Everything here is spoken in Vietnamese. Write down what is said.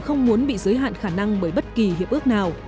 không muốn bị giới hạn khả năng bởi bất kỳ hiệp ước nào